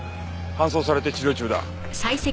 搬送されて治療中だ。